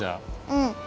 うん。